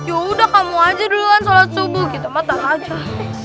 ya udah kamu aja duluan shalat subuh kita matang aja